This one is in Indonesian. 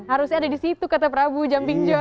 harusnya ada di situ kata prabu jumping joy